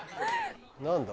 何だ？